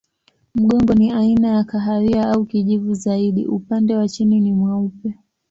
Mgongo ni aina ya kahawia au kijivu zaidi, upande wa chini ni mweupe.